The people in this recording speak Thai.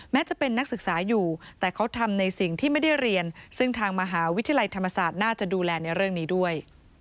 จะเป็นนักศึกษาอยู่แต่เขาทำในสิ่งที่ไม่ได้เรียนซึ่งทางมหาวิทยาลัยธรรมศาสตร์น่าจะดูแลในเรื่องนี้ด้วย